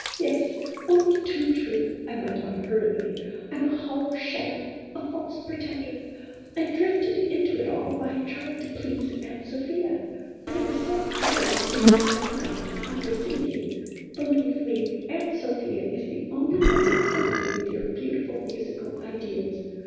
" Yes, only too true," I went on, hurriedly. " I 'm a hollow sham, a false pretender; I drifted into it all by trying to please Aunt Sophia, and it was so hard to make up my mind to undeceive you. Be lieve me, Aunt Sophia is the only one in sympathy with your beautiful musical ideas.